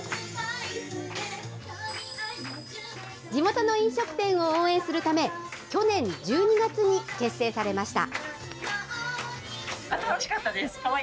地元の飲食店を応援するため、去年１２月に結成されました。